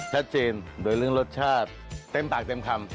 ชัดเจนโดยเรื่องรสชาติเต็มปากเต็มคำ